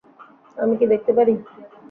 আমি কী দেখতে পারি?